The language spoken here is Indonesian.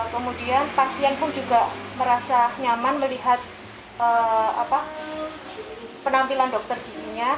kemudian pasien pun juga merasa nyaman melihat penampilan dokter dininya